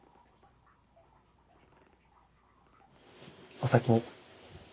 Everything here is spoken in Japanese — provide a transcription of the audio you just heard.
お先に。